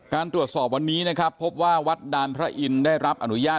ตรวจสอบวันนี้นะครับพบว่าวัดดานพระอินทร์ได้รับอนุญาต